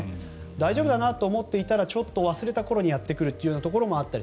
大丈夫だなと思っていたらちょっと忘れた頃にやってくることもあると。